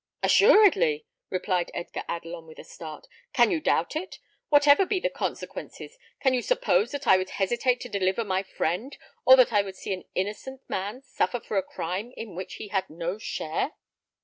"Assuredly!" replied Edgar Adelon, with a start; "can you doubt it? Whatever be the consequences, can you suppose that I would hesitate to deliver my friend, or that I would see an innocent man suffer for a crime in which he had no share?"